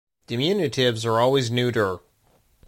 Diminutives are always neuter.